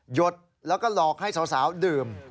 หยุดแล้วก็หลอกให้สาวดื่ม